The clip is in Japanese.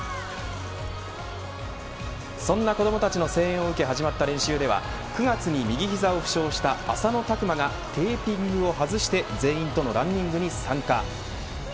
そんな子どもたちの声援を受け始まった練習では９月に右膝を負傷した浅野拓磨がテーピングを外して全員とのランニングに参加。